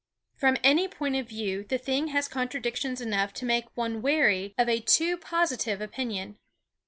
From any point of view the thing has contradictions enough to make one wary of a too positive opinion.